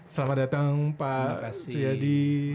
selamat datang pak suyadi